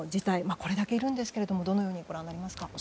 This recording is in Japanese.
これだけいるんですけれどもどのようにご覧になりますか。